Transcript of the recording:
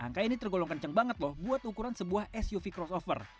angka ini tergolong kenceng banget loh buat ukuran sebuah suv crossover